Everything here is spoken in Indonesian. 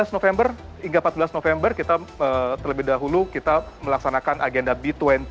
tujuh belas november hingga empat belas november kita terlebih dahulu kita melaksanakan agenda b dua puluh